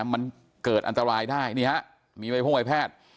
มันเกิดอันตรายได้นี่ฮะมีใบพ่วงใบแพทย์